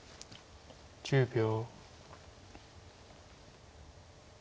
１０秒。